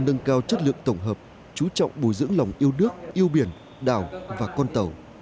nâng cao chất lượng tổng hợp chú trọng bồi dưỡng lòng yêu nước yêu biển đảo và con tàu